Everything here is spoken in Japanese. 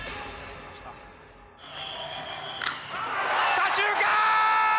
左中間！